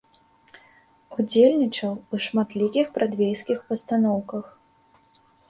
Удзельнічаў у шматлікіх брадвейскіх пастаноўках.